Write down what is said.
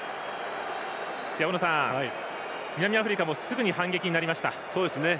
大野さん、南アフリカもすぐに反撃になりました。